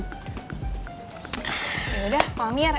ya udah panggir